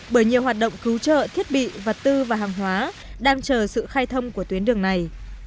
bởi nhiều hoạt động cứu trợ thiết bị vật tư và hàng hóa đang chờ sự khai thông của tuyến đường này